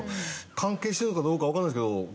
関係してるのかどうかわからないですけどああ。